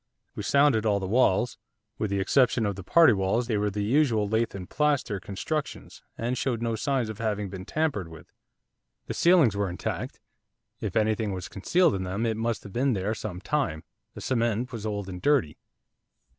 We sounded all the walls, with the exception of the party walls they were the usual lath and plaster constructions, and showed no signs of having been tampered with. The ceilings were intact; if anything was concealed in them it must have been there some time, the cement was old and dirty.